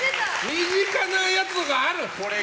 身近なやつがある！